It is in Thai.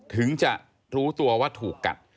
ถึงจะรู้ตัวว่าถูกกัด